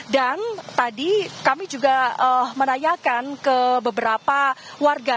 dan tadi kami juga menanyakan ke beberapa warga